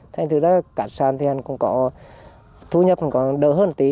thế thì cát sản thì hành còn có thu nhập còn đỡ hơn tí